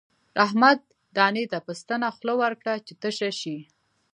احمد دانې ته په ستنه خوله ورکړه چې تشه شي.